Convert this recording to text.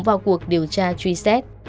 vào cuộc điều tra truy xét